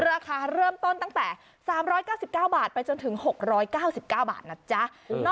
ราคาเริ่มต้นตั้งแต่สามร้อยเก้าสิบเก้าบาทไปจนถึงหกร้อยเก้าสิบเก้าบาทนะจ๊ะเออ